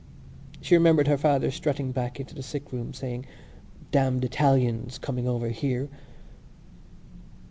She remembered her father strutting back into the sickroom saying: "Damned Italians! coming over here!"